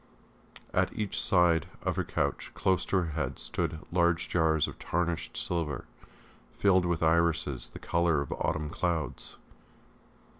At each side of her couch, close to her head, stood large jars of tarnished silver, filled with irises the colour of autumn clouds.